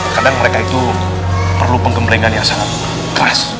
kadang mereka itu perlu penggemblengan yang sangat keras